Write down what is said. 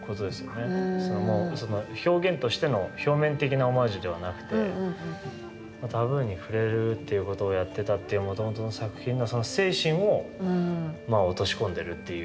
そのもう表現としての表面的なオマージュではなくてタブーに触れるっていうことをやってたっていうもともとの作品のその精神をまあ落とし込んでるっていう。